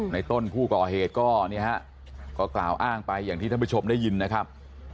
ในต้นผู้ก่อเหตุก็เนี่ยฮะก็กล่าวอ้างไปอย่างที่ท่านผู้ชมได้ยินนะครับ